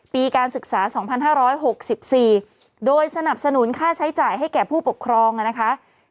การศึกษา๒๕๖๔โดยสนับสนุนค่าใช้จ่ายให้แก่ผู้ปกครองนะคะ